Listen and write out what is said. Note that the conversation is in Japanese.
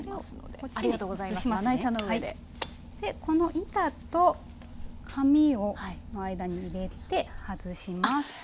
でこの板と紙の間に入れて外します。